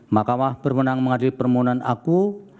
makamah berwenang mengadil permohonan aku